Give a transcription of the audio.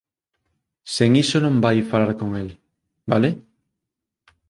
Sen iso non vai falar con el. Vale?